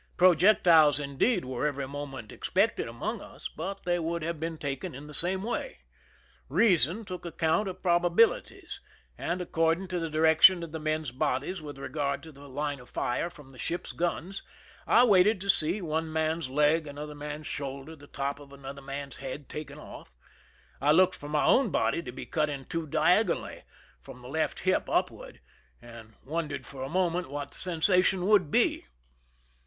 Projectiles, indeed, were every moment | expected among us, but they would have been taken '' in the same way. Reason took account of proba , bilities, and, according to the direction of the men's ' bodies with regard to the line of fire from the ships' guns, I waited to see one man?s leg, another man's shoulder, the top of another man's head, taken off. I looked for my own body to be cut in two diago nally, from the left hip upward, and wondered for a moment what the sensation would be.